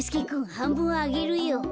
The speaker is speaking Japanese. はんぶんあげるよ。